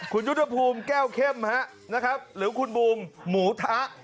คุณยุเทพูมแก้วเข้มห๊ะนะครับหรือคุณบูรรมหมูท้า